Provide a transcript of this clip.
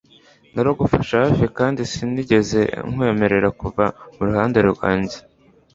naragufashe hafi kandi sinigeze nkwemerera kuva mu ruhande rwanjye